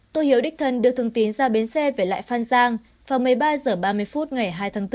tô hiếu đích thân đưa thường tín ra bến xe về lại phan giang vào một mươi ba h ba mươi phút ngày hai tháng bốn